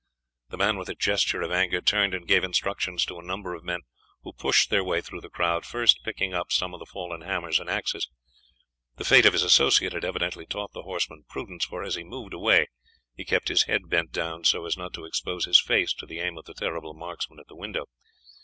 The man with a gesture of anger turned and gave instructions to a number of men, who pushed their way through the crowd, first picking up some of the fallen hammers and axes. The fate of his associate had evidently taught the horseman prudence, for as he moved away he kept his head bent down so as not to expose his face to the aim of the terrible marksman at the window.